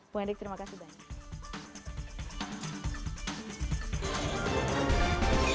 bu hendrik terima kasih banyak